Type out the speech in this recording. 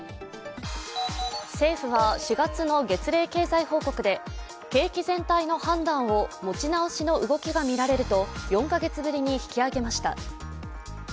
政府は、４月の月例経済報告で景気全体の判断を持ち直しの動きがみられると４カ月ぶりに引き上げました。